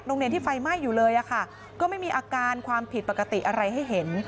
ที่ไฟไหม้อยู่เลยอะค่ะก็ไม่มีอาการความผิดปกติอะไรให้เห็น